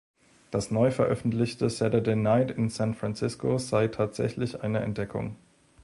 Das neu veröffentlichte "Saturday Night in San Francisco" sei „tatsächlich eine Entdeckung“.